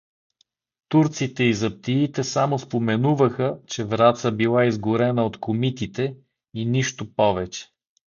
Турците и заптиите само споменуваха, че Враца била изгорена от комитите, и нищо повече.